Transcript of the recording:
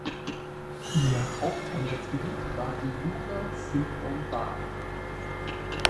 Ihr Haupteinsatzgebiet war die Jura-Simplon-Bahn.